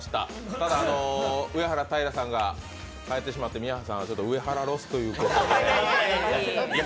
ただ、上はらたいらさんが帰ってしまって皆さんが上はらロスということで。